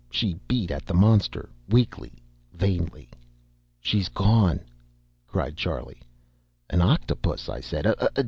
She beat at the monster, weakly, vainly. "She's gone!" cried Charlie. "An octopus!" I said.